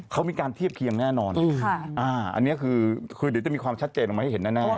เขามีการเทียบเคียงแน่นอนอันนี้คือเดี๋ยวจะมีความชัดเจนออกมาให้เห็นแน่